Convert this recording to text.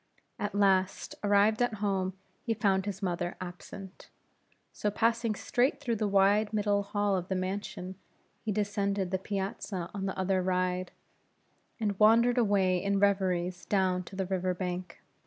At last, arrived at home, he found his mother absent; so passing straight through the wide middle hall of the mansion, he descended the piazza on the other ride, and wandered away in reveries down to the river bank.